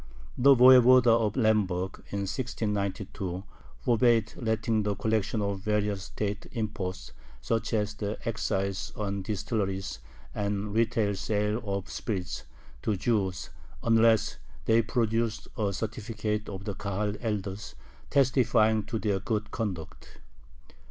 The Voyevoda of Lemberg in 1692 forbade letting the collection of various state imposts, such as the excise on distilleries and retail sale of spirits, to Jews unless they produced a certificate of the Kahal elders testifying to their good conduct.